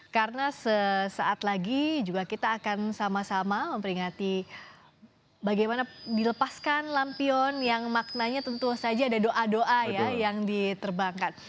karena sesaat lagi juga kita akan sama sama memperingati bagaimana dilepaskan lampion yang maknanya tentu saja ada doa doa ya yang diterbangkan